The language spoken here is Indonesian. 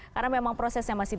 karena memang prosesnya masih